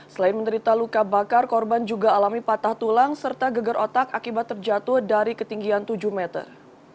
selain menderita luka bakar korban juga alami patah tulang serta geger otak akibat terjatuh dari ketinggian tujuh meter